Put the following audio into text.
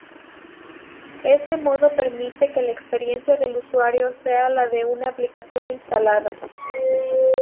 Este modo permite que la experiencia del usuario sea la de una aplicación instalada.